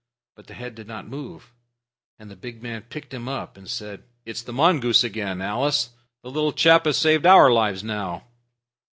But the head did not move, and the big man picked him up and said, "It's the mongoose again, Alice. The little chap has saved our lives now."